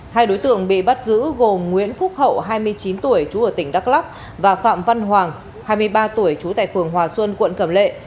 hai đối tượng bị bắt giữ gồm nguyễn phúc hậu hai mươi chín tuổi trú ở tỉnh đắk lắc và phạm văn hoàng hai mươi ba tuổi trú tại phường hòa xuân quận cẩm lệ